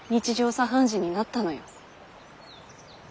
茶飯事になったのよ。